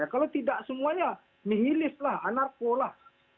kalau tidak semuanya nihilis lah anarko lah